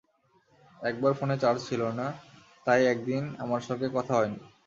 একবার ফোনে চার্জ ছিল না, তাই একদিন আমার সঙ্গে কথা হয়নি।